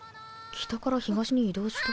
北から東に移動した？